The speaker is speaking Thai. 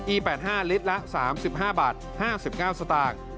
๘๕ลิตรละ๓๕บาท๕๙สตางค์